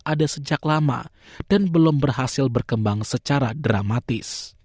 ada sejak lama dan belum berhasil berkembang secara dramatis